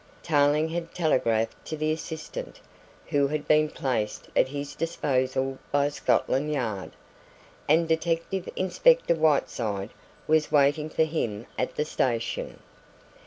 Tarling had telegraphed to the assistant who had been placed at his disposal by Scotland Yard, and Detective Inspector Whiteside was waiting for him at the station.